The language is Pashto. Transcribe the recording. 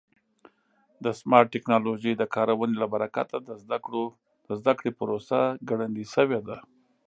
د سمارټ ټکنالوژۍ د کارونې له برکته د زده کړې پروسه ګړندۍ شوې ده.